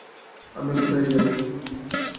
আমরা কোথায় যাবো?